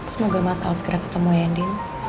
semoga mas al segera ketemu ya ndi